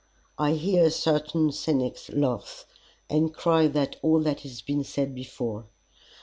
I hear certain cynics laugh, and cry that all that has been said before.